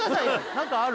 何かある？